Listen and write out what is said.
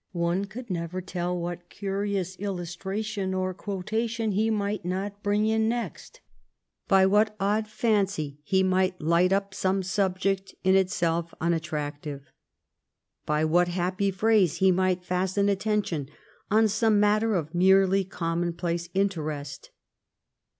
One never could tell what curious illustration or quotation he might not bring in next; by what odd fancy he might light up some subject in itself unattractive ; by what happy phrase he might fasten attention on some matter of merely commonplace interest.